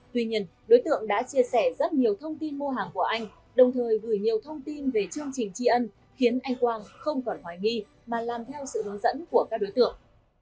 tuy nhiên đối tượng đã chia sẻ rất nhiều thông tin mua hàng của anh đồng thời gửi nhiều thông tin về chương trình tri ân khiến anh quang không còn hoài nghi mà làm theo sự hướng dẫn của các đối tượng